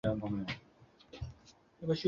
但仅仅十年后图书馆就已用满了扩建部分。